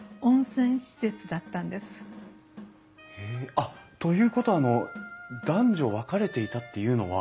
あっということはあの男女分かれていたっていうのは。